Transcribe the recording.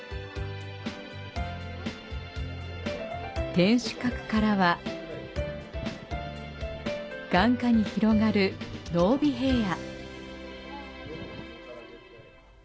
天守閣からは眼下に広がる濃尾平野。